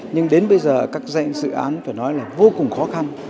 nhưng đến bây giờ các dự án phải nói là vô cùng khó khăn